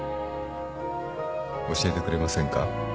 教えてくれませんか？